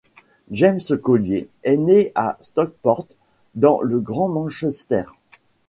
James-Collier est né à Stockport, dans le Grand Manchester.